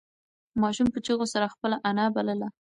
ماشوم په چیغو سره خپله انا بلله.